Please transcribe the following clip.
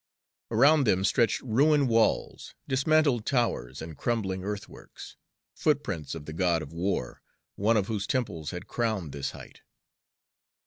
Around them stretched ruined walls, dismantled towers, and crumbling earthworks footprints of the god of war, one of whose temples had crowned this height.